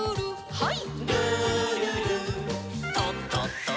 はい。